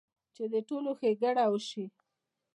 چې د ټولو ښېګړه اوشي -